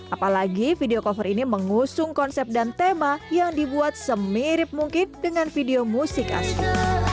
apalagi video cover ini mengusung konsep dan tema yang dibuat semirip mungkin dengan video musik asli